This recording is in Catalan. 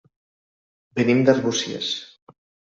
Venim d'Arbúcies.